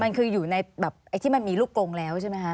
มันคืออยู่ในแบบไอ้ที่มันมีลูกกลงแล้วใช่ไหมคะ